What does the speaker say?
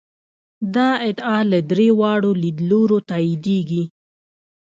دا ادعا له درې واړو لیدلورو تاییدېږي.